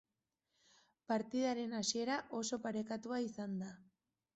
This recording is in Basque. Partidaren hasiera oso parekatua izan da.